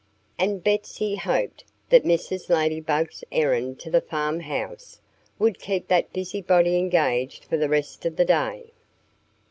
And Betsy hoped that Mrs. Ladybug's errand to the farmhouse would keep that busybody engaged for the rest of the day.